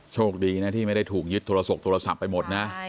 โชคดีนะที่ไม่ได้ถูกยึดโทรศกโทรศัพท์ไปหมดนะ